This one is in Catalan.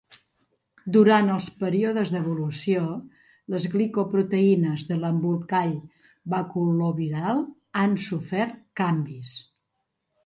Durant els períodes d'evolució, les glicoproteïnes de l'embolcall baculoviral han sofert canvis.